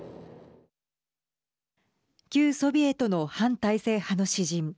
旧ソビエトの反体制派の詩人